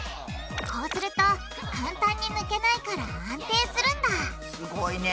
こうすると簡単に抜けないから安定するんだすごいね。